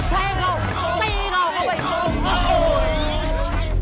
แพ้เขาตีเขาเขาไปโมง